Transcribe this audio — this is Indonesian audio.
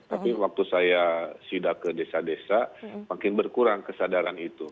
tapi waktu saya sidak ke desa desa makin berkurang kesadaran itu